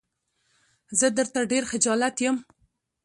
زه درته ډېر خجالت يم.